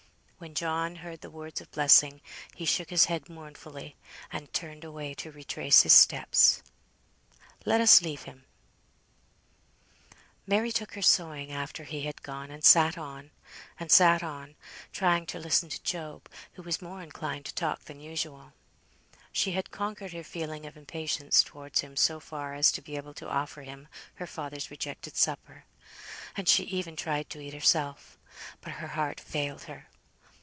When John heard the words of blessing, he shook his head mournfully, and turned away to retrace his steps. Let us leave him. Mary took her sewing after he had gone, and sat on, and sat on, trying to listen to Job, who was more inclined to talk than usual. She had conquered her feeling of impatience towards him so far as to be able to offer him her father's rejected supper; and she even tried to eat herself. But her heart failed her.